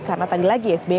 karena tadi lagi sby